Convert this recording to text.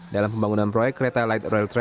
dalam pembangunan proyek kereta lrt